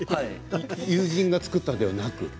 友人が作ったのではなく？